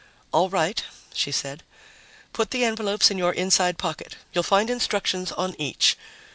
"All right," she said. "Put the envelopes in your inside pocket. You'll find instructions on each.